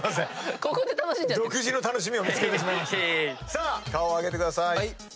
さあ顔を上げてください。